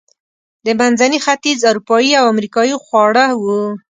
د منځني ختیځ، اروپایي او امریکایي خواړه و.